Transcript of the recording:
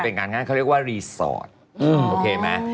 เป็นงานเขาเรียกว่าโอเคไหม